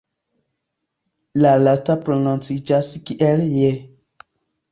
La lasta prononciĝas kiel "je".